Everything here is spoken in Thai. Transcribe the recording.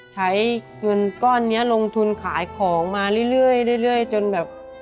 ใช้เงินก้อนนี้ลงทุนขายของมาเรื่อยจนแบบ